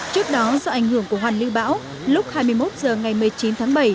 trước đó do ảnh hưởng của hoàn lưu bão lúc hai mươi một h ngày một mươi chín tháng bảy